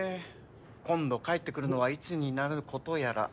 今度帰ってくるのはいつになることやら。